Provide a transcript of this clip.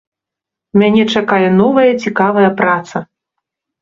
Мяне чакае новая цікавая праца.